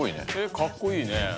かっこいいね。